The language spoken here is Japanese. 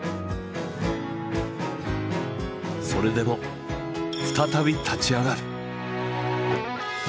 それでも再び立ち上がる。